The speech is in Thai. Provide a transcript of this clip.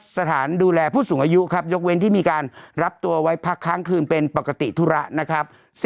สถานดูแลผู้สูงอายุครับยกเว้นที่มีการรับตัวไว้พักค้างคืนเป็นปกติธุระนะครับ